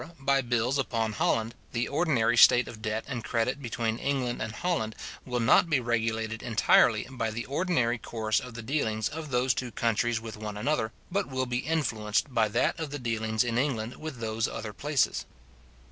by bills upon Holland, the ordinary state of debt and credit between England and Holland will not be regulated entirely by the ordinary course of the dealings of those two countries with one another, but will be influenced by that of the dealings in England with those other places.